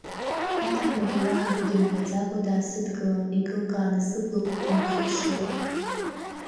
Аҭаҳмада уаҳа акгьы мҳәаӡакуа даасыдгылан, икылкааны сыблақуа днархыԥшылеит.